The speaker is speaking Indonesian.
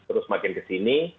terus semakin kesini